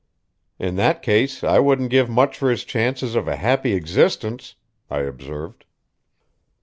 "In that case I wouldn't give much for his chances of a happy existence," I observed.